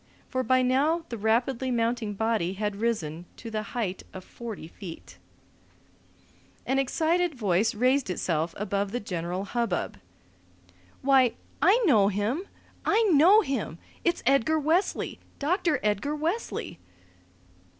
For by now the rapidly mounting body had risen to the height of forty feet. An excited voice raised itself above the general hubbub. "Why, I know him! I know him! It's Edgar Wesley! Doctor Edgar Wesley!"